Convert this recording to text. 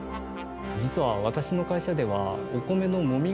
実は私の会社では。